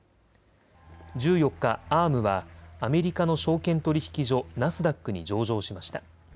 １４日、Ａｒｍはアメリカの証券取引所ナスダックに上場しました。